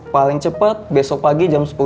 paling cepat besok pagi jam sepuluh